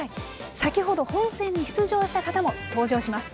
先ほど、本選に出場した方も登場します。